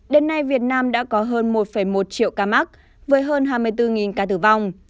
đến nay việt nam đã có hơn một một triệu ca mắc với hơn hai mươi bốn ca tử vong